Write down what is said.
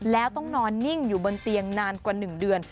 แล้วต้องนอนนิ่งอยู่บนเตียงนานกว่า๑เดือน